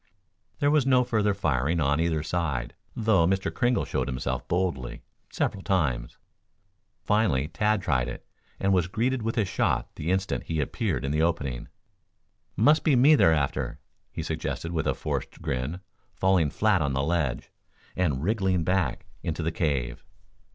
There was no further firing on either side, though Mr. Kringle showed himself boldly several times. Finally Tad tried it, and was greeted with a shot the instant he appeared in the opening. "Must be me they're after," he suggested, with a forced grin, falling flat on the ledge, and wriggling back into the cave.